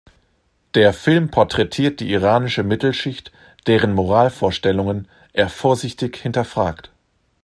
Der Film porträtiert die iranische Mittelschicht, deren Moralvorstellungen er vorsichtig hinterfragt.